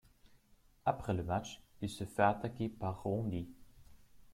Après le match, il se fait attaquer par Randy.